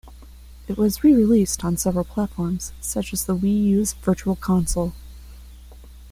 It was re-released on several platforms, such as the Wii U's Virtual Console.